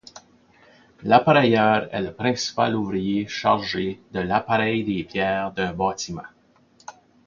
L'appareilleur est le principal ouvrier chargé de l'appareil des pierres d'un bâtiment.